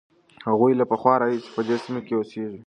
هغوی له پخوا راهیسې په دې سیمه کې اوسېږي.